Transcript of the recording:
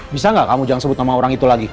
bisa nggak kamu jangan sebut nama orang itu lagi